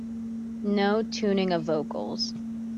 No tuning of vocals.